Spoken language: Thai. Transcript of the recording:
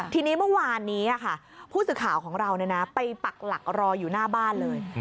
ทีนี้เมื่อวานนี้ผู้สื่อข่าวของเราไปปักหลักรออยู่หน้าบ้านเลย